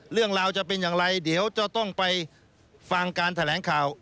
เรื่องราวจะเป็นอย่างไรเดี๋ยวจะต้องไปฟังการแถลงข่าว